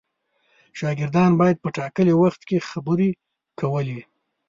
شاګردان باید په ټاکلي وخت کې خبرې کولې.